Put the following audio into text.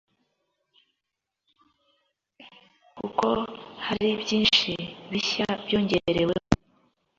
kuko hari byinshi bishya byongerewemo”.